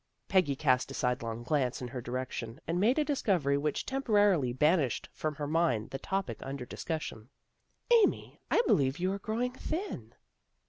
Peggy cast a sidelong glance in her direction, and made a discovery which temporarily ban ished from her mind the topic under discussion. " Amy, I believe you are growing thin."